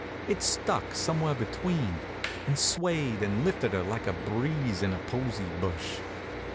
It stuck somewhere between, and swayed and lifted her like a breeze in a posy bush.